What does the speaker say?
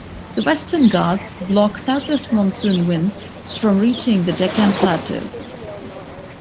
The Western Ghats block southwest monsoon winds from reaching the Deccan Plateau.